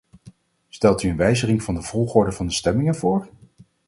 Stelt u een wijziging van de volgorde van de stemmingen voor?